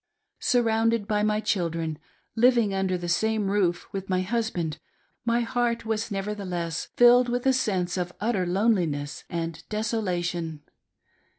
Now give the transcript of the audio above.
Surrounded by my children, living under the same roof with my husband, my heart was, nevertheless, filled with a sense of utter loneliness and desolation.